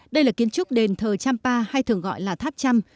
đây là kiến trúc đền thờ champa hay thường gọi là tháp chăm